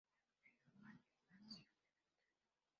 Van McCann nació en Australia.